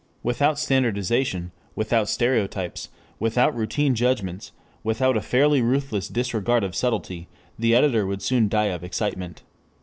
Without standardization, without stereotypes, without routine judgments, without a fairly ruthless disregard of subtlety, the editor would soon die of excitement.